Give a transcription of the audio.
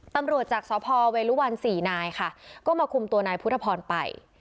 ตำรวจจากสพเวลุวันสี่นายค่ะก็มาคุมตัวนายพุทธพรไป